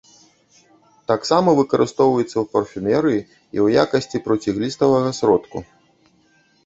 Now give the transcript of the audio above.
Таксама выкарыстоўваецца ў парфумерыі і ў якасці процігліставага сродку.